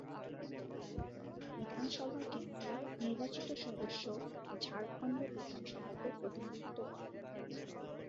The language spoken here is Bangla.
বিধানসভা কেন্দ্রের নির্বাচিত সদস্য ঝাড়খণ্ড বিধানসভাতে প্রতিনিধিত্ব করেন।